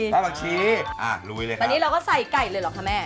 อ่าลุ้ยเลยค่ะอันนี้เราก็ใส่ไก่เลยหรือครับแม่ครับแสดงไว้นะครับนิดหนึ่งค่ะ